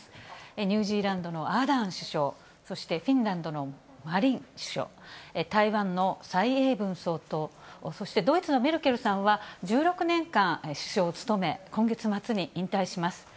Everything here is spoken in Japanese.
ニュージーランドのアーダーン首相、そしてフィンランドのマリーン首相、台湾の蔡英文総統、そしてドイツのメルケルさんは１６年間首相を務め、今月末に引退します。